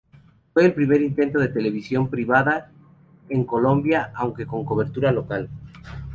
Fue el primer intento de televisión privada en Colombia, aunque con cobertura local.